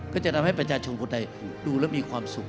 ก็จะทำให้ประชาชนคนใดดูแล้วมีความสุข